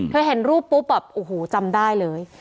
เห็นรูปปุ๊บแบบโอ้โหจำได้เลย